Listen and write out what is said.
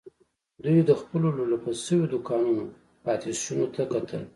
دوی د خپلو لولپه شويو دوکانونو پاتې شونو ته کتل.